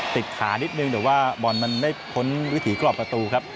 ขานิดนึงแต่ว่าบอลมันไม่พ้นวิถีกรอบประตูครับ